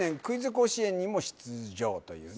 甲子園にも出場というね